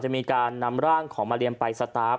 จะมีการนำร่างของมาเรียมไปสตาร์ฟ